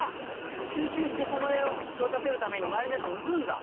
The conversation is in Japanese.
集中してこの辺を育てるために周りのやつを抜くんだ！